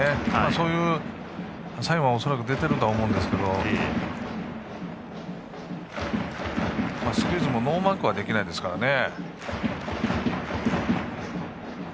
そういうサインは恐らく出ていると思いますがスクイズもノーマークにはできないですからね。